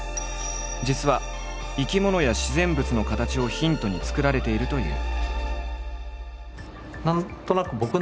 実は生き物や自然物の形をヒントに作られているという。